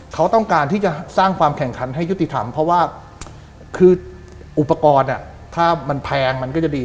เขาต้องการที่จะสร้างความแข่งขันให้ยุติธรรมเพราะว่าคืออุปกรณ์ถ้ามันแพงมันก็จะดี